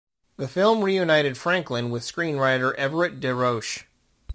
The film reunited Franklin with screenwriter Everett De Roche.